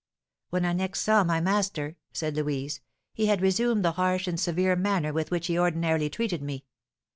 "When I next saw my master," said Louise, "he had resumed the harsh and severe manner with which he ordinarily treated me.